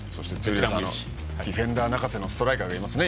ディフェンダー泣かせのストライカーがいますね